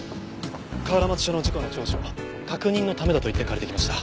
河原町署の事故の調書確認のためだと言って借りてきました。